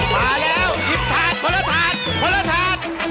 มาแล้วหยิบถาดคนละถาดคนละถาด